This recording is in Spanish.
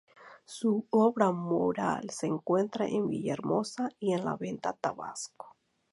Su obra mural se encuentra en Villahermosa y en La Venta, Tabasco.